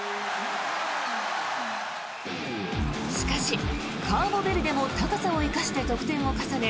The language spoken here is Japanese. しかし、カーボベルデも高さを生かして得点を重ね